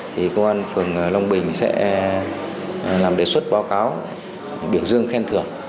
thì công an phường long bình sẽ làm đề xuất báo cáo biểu dương khen thưởng